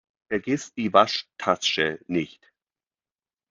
Vergiss die Waschtasche nicht!